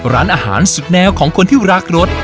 ร้านอาหารสุดแนวของคนที่รักรถ